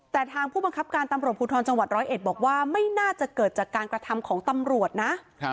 แต่ทางผู้บังคับการตำรวจภูทรจังหวัดร้อยเอ็ดบอกว่าไม่น่าจะเกิดจากการกระทำของตำรวจนะ